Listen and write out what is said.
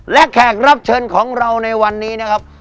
และแขกรับเชิญของเราในวันนี้นะครับ